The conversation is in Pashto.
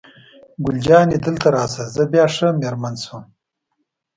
ګل جانې: دلته راشه، زه بیا ښه مېرمن شوم.